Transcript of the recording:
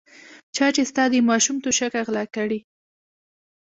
چا چې ستا د ماشوم توشکه غلا کړې.